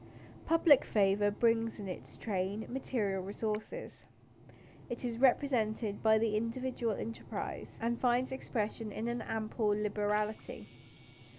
Public favour brings in its train material resources. It is represented by individual enterprise, and finds expression in an ample liberality.